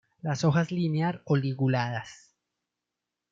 Las hojas linear o liguladas.